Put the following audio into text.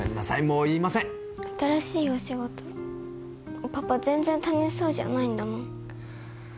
もう言いません新しいお仕事パパ全然楽しそうじゃないんだもん